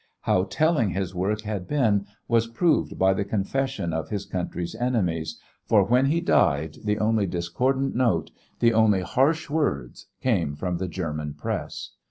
How telling his work had been was proved by the confession of his country's enemies, for when he died the only discordant note, the only harsh words, came from the German press.